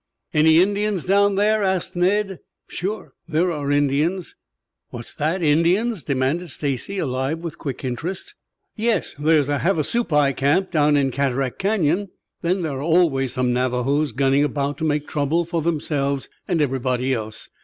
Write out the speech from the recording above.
"Any Indians down there?" asked Ned. "Sure, there are Indians." "What's that, Indians?" demanded Stacy, alive with quick interest. "Yes. There's a Havasupai camp down in Cataract Canyon, then there are always some Navajos gunning about to make trouble for themselves and everybody else.